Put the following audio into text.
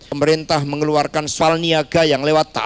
pemerintah mengeluarkan soal niaga yang lewat taat